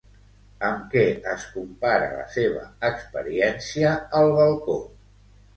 Amb què es compara la seva experiència al balcó?